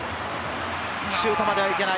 シュートまではいけない。